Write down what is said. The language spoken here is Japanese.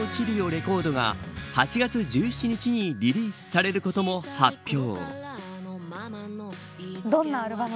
レコードが８月１７日にリリースされることも発表。